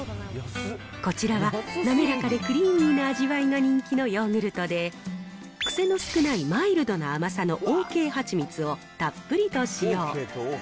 こちらは滑らかでクリーミーな味わいが人気のヨーグルトで、癖の少ないマイルドな甘さのオーケーはちみつをたっぷりと使用。